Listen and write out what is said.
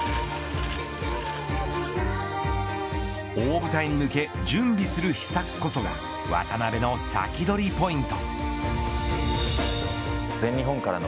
大舞台に向け準備する秘策こそが渡辺のサキドリポイント。